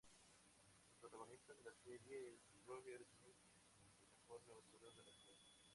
El protagonista de la serie es Roger Smith, el mejor Negociador de la ciudad.